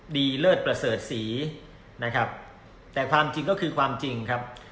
เลิศประเสริฐศรีนะครับแต่ความจริงก็คือความจริงครับ